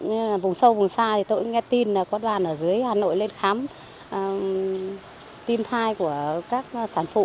nhưng mà vùng sâu vùng xa thì tôi cũng nghe tin là quán bàn ở dưới hà nội lên khám tim thai của các sản phụ